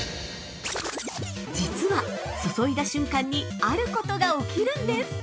実は、注いだ瞬間にあることが起きるんです。